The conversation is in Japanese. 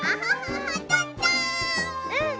うん！